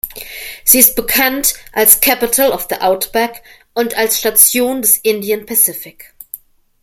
Sie ist bekannt als "Capital of the Outback" und als Station des Indian Pacific.